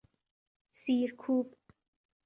سیر کوب